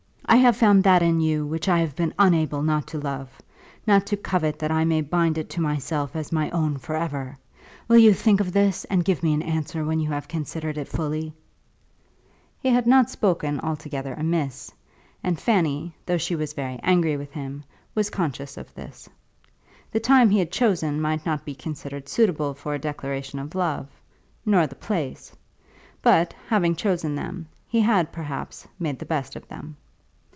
I have found that in you which I have been unable not to love, not to covet that I may bind it to myself as my own for ever. Will you think of this, and give me an answer when you have considered it fully?" [Illustration: Mr. Saul proposes.] He had not spoken altogether amiss, and Fanny, though she was very angry with him, was conscious of this. The time he had chosen might not be considered suitable for a declaration of love, nor the place; but having chosen them, he had, perhaps, made the best of them.